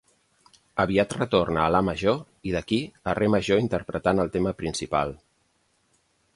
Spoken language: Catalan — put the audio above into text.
Aviat retorna a la major i d'aquí, a re major interpretant el tema principal.